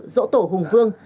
rỗ tổ hùng vương